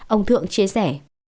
ông thượng chia sẻ